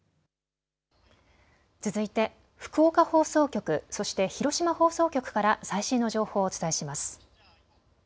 続いて福岡放送局そして広島放送局から最新の情報をお伝えします。